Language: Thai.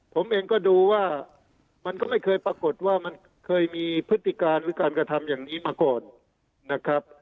ผมเองก็ดูว่ามันก็ไม่เคยปรากฏว่ามันเคยมีพฤติการหรือการกระทำอย่างนี้มาก่อนนะครับ